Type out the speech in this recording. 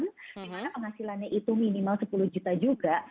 dimana penghasilannya itu minimal sepuluh juta juga